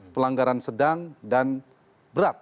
pelanggaran sedang dan berat